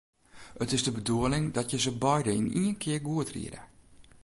It is de bedoeling dat je se beide yn ien kear goed riede.